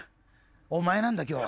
お前なんだ今日は。